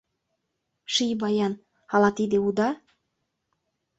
Ший баян — але тиде уда?